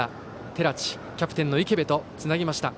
寺地、キャプテンの池邉へとつなぎました。